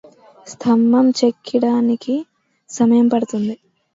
స్తంభం చెక్కడానికి సమయం పడుతుంది